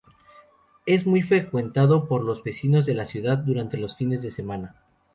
Es muy frecuentado por los vecinos de la ciudad durante los fines de semana.